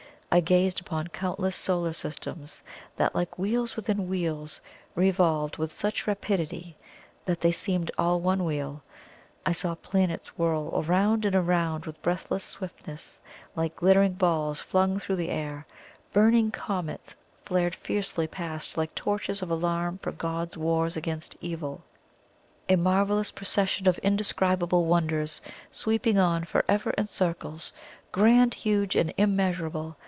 I gazed upon countless solar systems, that like wheels within wheels revolved with such rapidity that they seemed all one wheel. I saw planets whirl around and around with breathless swiftness, like glittering balls flung through the air burning comets flared fiercely past like torches of alarm for God's wars against Evil a marvellous procession of indescribable wonders sweeping on for ever in circles, grand, huge, and immeasurable.